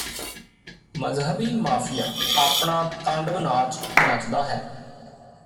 ਮਜ਼ਹਬੀ mafia ਆਪਣਾ ਤਾਂਡਵ ਨਾਚ ਨੱਚਦਾ ਹੈ